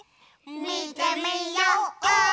みてみよう！